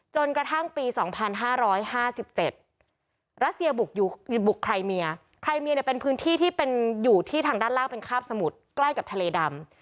จนกระทั่งปี๒๕๕๗รัสเซียบุกไรเมียใครเมียเนี่ยเป็นพื้นที่ที่เป็นอยู่ที่ทางด้านล่างเป็นคาบสมุทรใกล้กับทะเลดำ